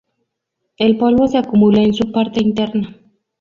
El polvo se acumula en su parte interna.